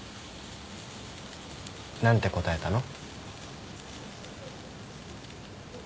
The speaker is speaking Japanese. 何て答えたの？